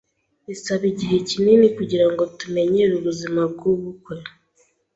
Bisaba igihe kinini kugirango tumenyere ubuzima bwubukwe.